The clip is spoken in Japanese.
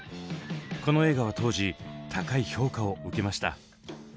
この映画は当時高い評価を受けました。